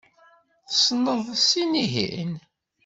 Tessneḍ sin-ihin?